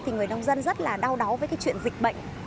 thì người nông dân rất là đau đáu với cái chuyện dịch bệnh